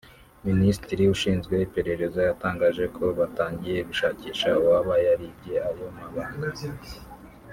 Minisitiri ushinzwe iperereza yatangaje ko batangiye gushakisha uwaba yaribye ayo mabanga